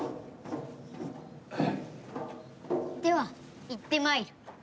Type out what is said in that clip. ではいってまいる。